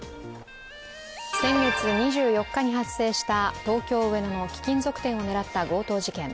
先月２４日に発生した東京・上野の貴金属店を狙った強盗事件。